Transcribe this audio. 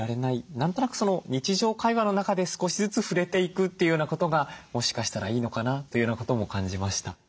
何となく日常会話の中で少しずつ触れていくっていうようなことがもしかしたらいいのかなというようなことも感じました。